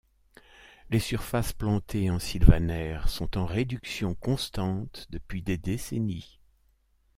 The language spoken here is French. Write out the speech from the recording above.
Les surfaces plantées en sylvaner sont en réduction constante depuis des décennies.